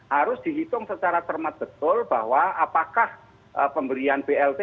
harus dihitung secara cermat betul bahwa apakah pemberian blt